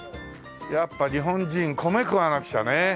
やっぱり日本人米食わなくちゃねえ。